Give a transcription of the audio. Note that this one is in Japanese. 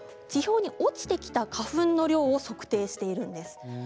地表に落ちてきた花粉の量を測定しているんです。